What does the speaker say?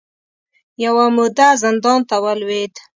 یوه موده زندان ته ولوېد